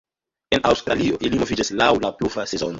En Aŭstralio ili moviĝas laŭ la pluva sezono.